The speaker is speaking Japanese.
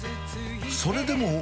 それでも。